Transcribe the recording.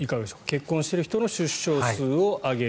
結婚している人の出生数を上げる。